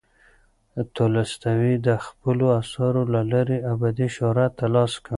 تولستوی د خپلو اثارو له لارې ابدي شهرت ترلاسه کړ.